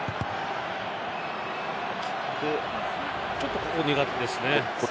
ちょっと、ここ苦手ですね。